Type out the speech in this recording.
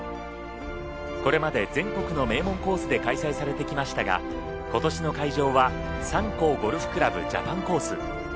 これまで全国の名門コースで開催されてきましたが今年の会場は三甲ゴルフ倶楽部ジャパンコース。